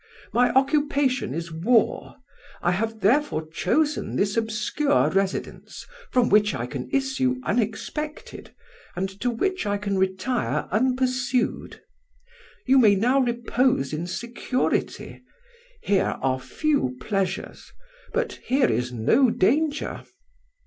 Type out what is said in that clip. My occupation is war: I have therefore chosen this obscure residence, from which I can issue unexpected, and to which I can retire unpursued. You may now repose in security: here are few pleasures, but here is no danger.